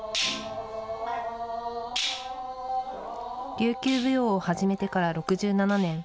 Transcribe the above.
琉球舞踊を始めてから６７年。